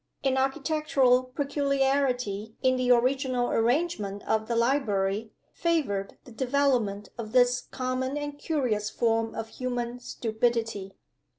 An architectural peculiarity in the original arrangement of the library favored the development of this common and curious form of human stupidity.